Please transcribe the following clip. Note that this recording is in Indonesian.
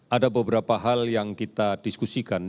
ada beberapa hal yang kita diskusikan